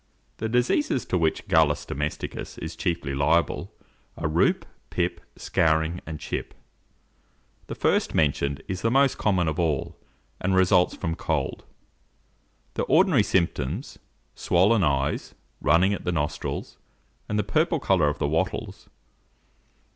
The diseases to which Gallus domesticus is chiefly liable, are roup, pip, scouring, and chip. The first mentioned is the most common of all, and results from cold. The ordinary symptoms, swollen eyes, running at the nostrils, and the purple colour of the wattles.